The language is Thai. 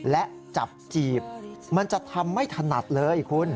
และจับจีบมันจะทำไม่ถนัดเลยคุณ